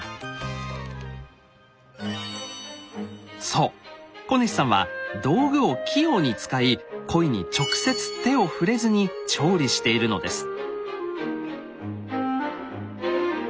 そう小西さんは道具を器用に使いコイに直接手を触れずに調理しているのです。